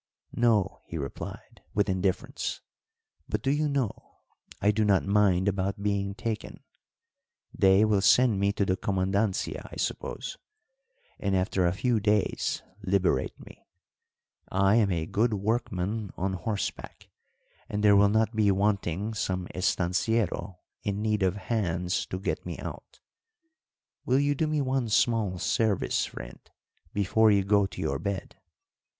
"No," he replied, with indifference. "But, do you know, I do not mind about being taken. They will send me to the comandancia, I suppose, and after a few days liberate me. I am a good workman on horseback, and there will not be wanting some estanciero in need of hands to get me out. Will you do me one small service, friend, before you go to your bed?"